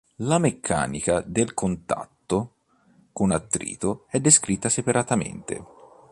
La meccanica del contatto con attrito è descritta separatamente.